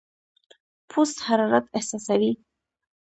پوست حرارت احساسوي.